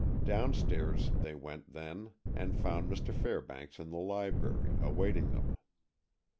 Downstairs they went then, and found Mr. Fairbanks in the library, awaiting them.